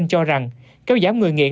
cho rằng kéo giảm người nghiện